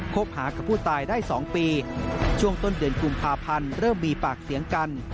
คบหากับผู้ตายได้๒ปีช่วงต้นเดือนกุมภาพันธ์เริ่มมีปากเสียงกัน